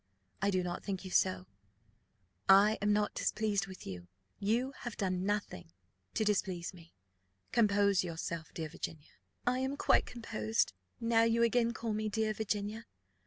I do not think you so. I am not displeased with you. You have done nothing to displease me. Compose yourself, dear Virginia." "I am quite composed, now you again call me dear Virginia.